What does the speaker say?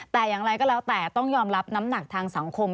แต่อย่างไรก็แล้วแต่ต้องยอมรับน้ำหนักทางสังคม